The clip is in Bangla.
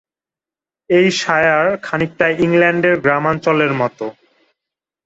এই শায়ার খানিকটা ইংল্যান্ডের গ্রামাঞ্চলের মতো।